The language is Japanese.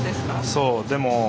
そうでも。